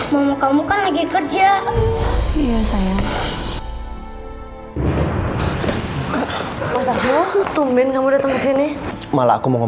masa kamu ayoementernya ini i jelly ong